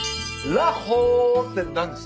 ラーほーって何ですか？